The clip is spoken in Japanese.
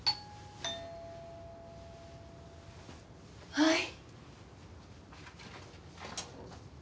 はい。